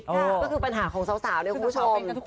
ก็คือปัญหาของสาวเนี่ยคุณผู้ชม